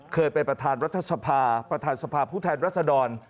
เคยเป็นประธานรัฐสภาประธานสภาพผู้แทนรัศดร